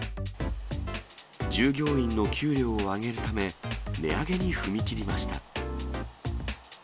従業員の給料を上げるため、値上げに踏み切りました。